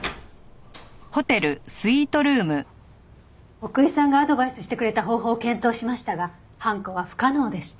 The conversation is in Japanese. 奥居さんがアドバイスしてくれた方法を検討しましたが犯行は不可能でした。